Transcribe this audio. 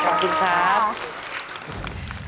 ขอบคุณครับ